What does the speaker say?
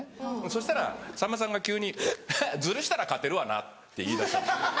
そしたらさんまさんが急に「ハッズルしたら勝てるわな」って言いだした。